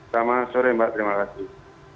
selamat sore mbak terima kasih